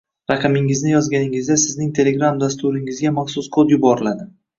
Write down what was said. Raqamingizni yozganingizda Sizning Telegram dasturingizga maxsus kod yuboriladi